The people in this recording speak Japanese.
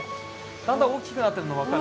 だんだん大きくなってるの分かる？